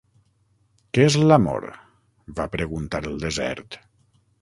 "Què és l'Amor?", va preguntar el desert.